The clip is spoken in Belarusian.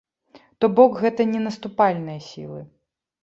То бок, гэта не наступальныя сілы.